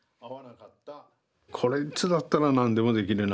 「こいつだったら何でもできるな」